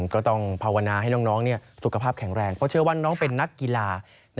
ก็ต้องภาวนาให้น้องสุขภาพแข็งแรงเพราะเชื่อว่าน้องเป็นนักกีฬา